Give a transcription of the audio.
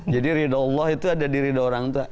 jadi ridha allah itu ada di ridha orang tua